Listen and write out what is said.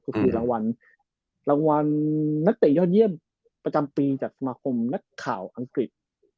ก็คือรางวัลรางวัลนักเตะยอดเยี่ยมประจำปีจากสมาคมนักข่าวอังกฤษ